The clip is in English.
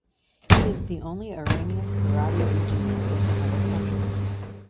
He is the only Iranian Karate legionary in other countries.